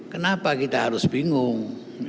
kenapa kita harus bingung